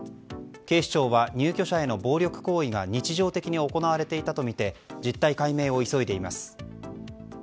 警視庁は入居者への暴力行為が日常的に行われていたとみて実態解明を急いでいます。